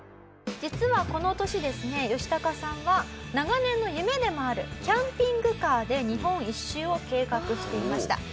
実はこの年ですねヨシタカさんは長年の夢でもあるキャンピングカーで日本一周を計画していました。